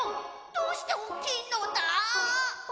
どうしておっきいのだ？